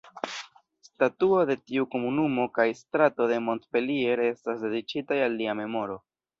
Statuo de tiu komunumo kaj strato de Montpellier estas dediĉitaj al lia memoro.